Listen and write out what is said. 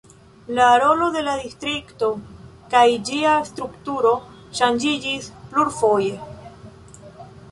La rolo de la distrikto kaj ĝia strukturo ŝanĝiĝis plurfoje.